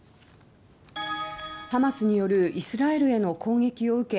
ハマスによるイスラエルへの攻撃を受け